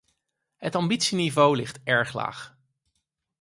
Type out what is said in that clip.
Het ambitieniveau ligt erg laag.